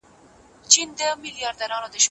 کارونه باید د خاوند او اولاد حقوق نه تیریږي.